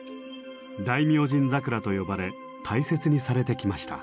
「大明神桜」と呼ばれ大切にされてきました。